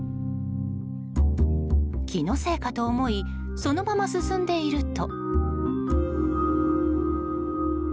気のせいかと思いそのまま進んでいると。